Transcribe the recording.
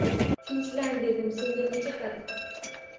Tinchlan, dedim senga necha qat.